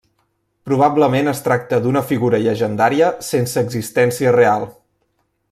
Probablement es tracta d'una figura llegendària sense existència real.